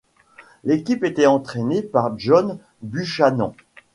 L'équipe était entraînée par John Buchanan.